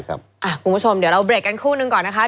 คุณผู้ชมเดี๋ยวเราเบรกกันครู่นึงก่อนนะคะ